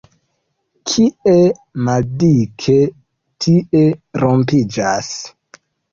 Kie maldike, tie rompiĝas.